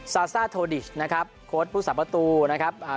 ซาซ่าโทดิชนะครับโค้ดพุทธศัพท์ประตูนะครับอ่า